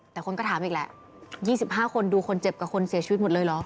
แต่คนก็ถามอีกแหละ๒๕คนดูคนเจ็บกับคนเสียชีวิตหมดเลยเหรอ